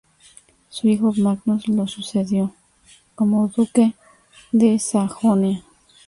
Su hijo, Magnus, lo sucedió como duque de Sajonia.